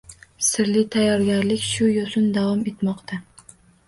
Sirli tayyorgarlik shu yo‘sin uzoq davom etdi.